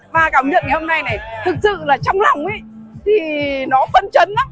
và cảm nhận ngày hôm nay này thực sự là trong lòng thì nó phân chấn lắm